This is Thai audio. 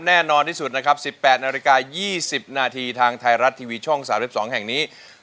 แน่นอนที่สุดนะครับ๑๘นาฬิกา๒๐นาทีทางไทยรัฐทีวีช่อง๓๒แห่งนี้